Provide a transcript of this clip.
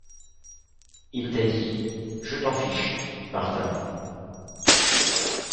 Il t’a dit : "Je t’en fiche !" Martin.